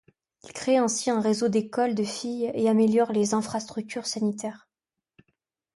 Il crée ainsi un réseau d’écoles de filles et améliore les infrastructures sanitaires.